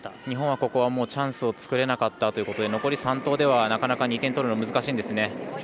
日本は、ここはチャンスを作れなかったということで残り３投ではなかなか２点取るの難しいんですね。